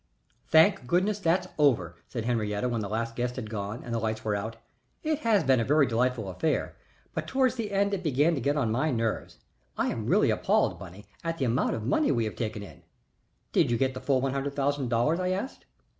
"Thank goodness, that's over," said Henriette when the last guest had gone and the lights were out. "It has been a very delightful affair, but towards the end it began to get on my nerves. I am really appalled, Bunny, at the amount of money we have taken in." "Did you get the full one hundred thousand dollars?" I asked.